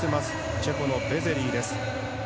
チェコのベゼリーです。